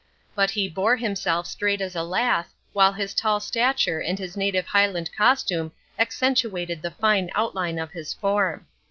But he bore himself straight as a lath, while his tall stature and his native Highland costume accentuated the fine outline of his form.